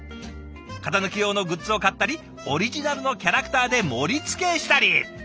型抜き用のグッズを買ったりオリジナルのキャラクターで盛りつけしたり！